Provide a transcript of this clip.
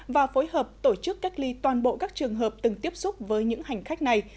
và phối hợp tổ chức cách ly toàn bộ các trường hợp từng tiếp xúc với những hành khách này